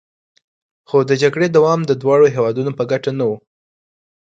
خو د جګړې دوام د دواړو هیوادونو په ګټه نه و